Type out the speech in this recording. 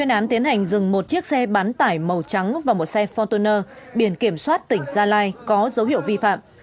án tiến hành dừng một chiếc xe bán tải màu trắng và một xe fortuner biển kiểm soát tỉnh gia lai có dấu hiệu vi phạm